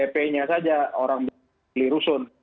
p nya saja orang beli rusun